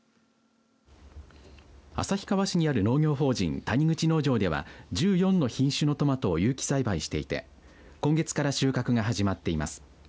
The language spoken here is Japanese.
旭川市にある農業法人谷口農場では１４の品種のトマトを有機栽培していて今月から収穫が始まっています。